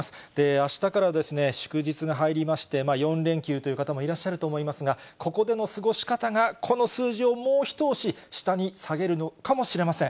あしたからは祝日が入りまして、４連休という方もいらっしゃると思いますが、ここでの過ごし方が、この数字をもう一押し下に下げるのかもしれません。